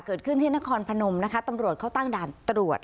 เกิดขึ้นที่นครพนมนะคะตำรวจเขาตั้งด่านตรวจ